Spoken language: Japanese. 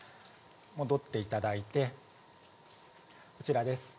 戻っていただいて、こちらです。